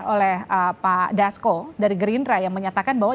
oleh pak dasko dari gerindra yang menyatakan bahwa